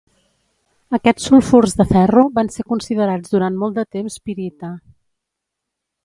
Aquests sulfurs de ferro van ser considerats durant molt de temps pirita.